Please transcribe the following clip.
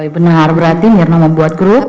benar berarti nirna membuat grup